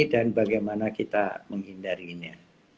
dan bagaimana kita menghindarinya